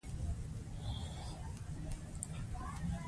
لکه د تللیو زړو یارانو